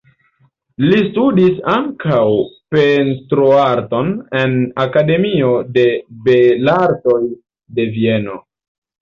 Li studis ankaŭ pentroarton en Akademio de Belartoj de Vieno.